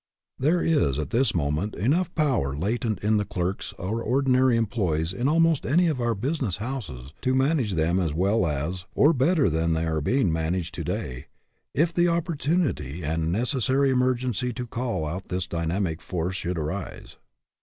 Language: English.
There is at this moment enough power latent in the clerks or ordinary employees in almost any of our business houses to manage them as well as, or better than they are being managed to day, if the opportunity and neces sary emergency to call out this dynamic force should arise.